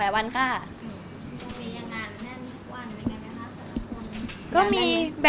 มีงานแน่นทุกวันไหมคะสำหรับคน